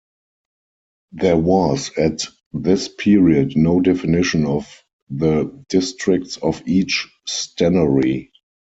There was at this period no definition of the districts of each stannary.